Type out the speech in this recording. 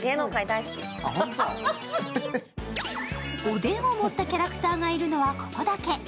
おでんを持ったキャラクターがいるのは、ここだけ。